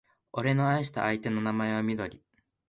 俺の愛した相手の名前はみどり